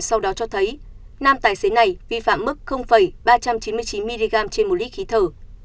sau đó cho thấy nam tài xế này vi phạm mức ba trăm chín mươi chín mg trên một lít khí thở